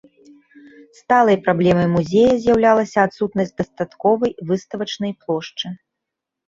Сталай праблемай музея з'яўлялася адсутнасць дастатковай выставачнай плошчы.